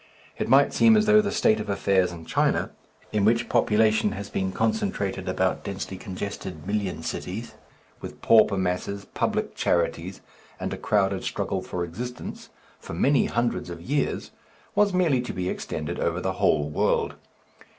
It might seem as though the state of affairs in China, in which population has been concentrated about densely congested "million cities," with pauper masses, public charities, and a crowded struggle for existence, for many hundreds of years, was merely to be extended over the whole world.